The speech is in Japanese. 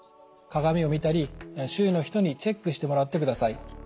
鏡を見たり周囲の人にチェックしてもらってください。